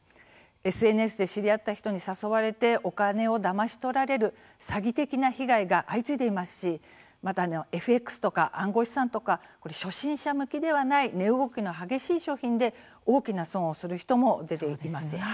ＳＮＳで知り合った人に誘われてお金をだまし取られる詐欺的な被害が相次いでいますしまた、ＦＸとか暗号資産とか初心者向きではない値動きの激しい商品で大きな損をする人も出ています。